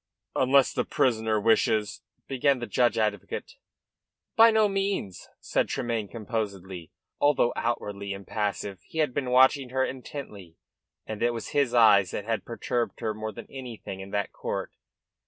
"Unless the prisoner wishes " began the judge advocate. "By no means," said Tremayne composedly. Although outwardly impassive, he had been watching her intently, and it was his eyes that had perturbed her more than anything in that court.